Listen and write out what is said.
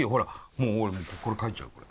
もう俺これ描いちゃうこれ。